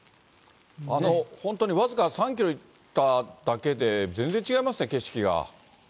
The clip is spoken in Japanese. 本当に僅か３キロ行っただけで、全然違いますね、景色が。